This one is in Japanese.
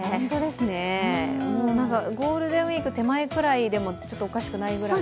ゴールデンウイーク手前くらいでもおかしくないぐらいの。